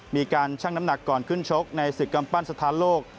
ช่างน้ำหนักก่อนขึ้นชกในศึกกำปั้นสถานโลก